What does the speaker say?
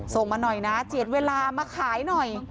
มาหน่อยนะเจียดเวลามาขายหน่อย